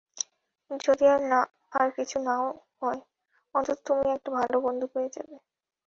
যদি আর কিছু নাও হয়, অন্তত তুমি একটা ভালো বন্ধু পেয়ে যাবে।